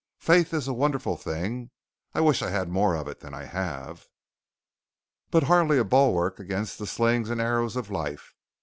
Faith is a wonderful thing I wish I had more of it than I have but hardly a bulwark against the slings and arrows of life.